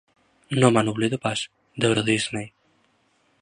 No me n'oblido pas, d'Eurodisney.